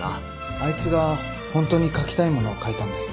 あいつがホントに書きたいものを書いたんです。